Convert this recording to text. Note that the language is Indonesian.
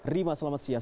rima selamat siang